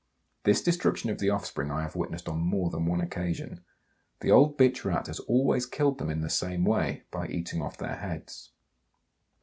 This destruction of the offspring I have witnessed on more than one occasion. The old bitch Rat has always killed them in the same way by eating off their heads.